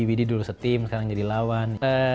widi dulu setim sekarang jadi lawan